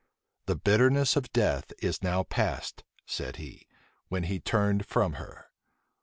"The bitterness of death is now past," said he, when he turned from her.